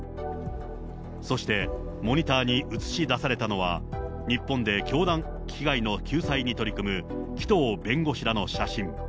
そしてモニターに映し出されたのは、日本で教団被害の救済に取り組む紀藤弁護士らの写真。